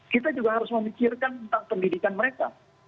kita juga harus memikirkan tentang pendidikan mereka